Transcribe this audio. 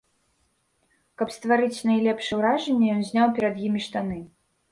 Каб стварыць найлепшае ўражанне, ён зняў перад імі штаны.